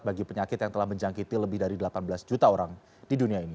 bagi penyakit yang telah menjangkiti lebih dari delapan belas juta orang di dunia ini